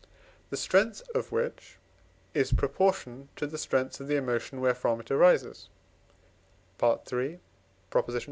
the strength of which is proportioned to the strength of the emotion wherefrom it arises (III.